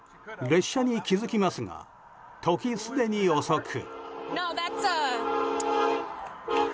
列車に気づきますが時すでに遅く。